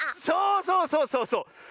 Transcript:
そうそうそうそうそう！